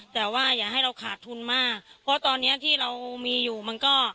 แต่ว่าอย่าให้เราขาดทุนมากเพราะตอนนี้ที่เรามีอยู่มันก็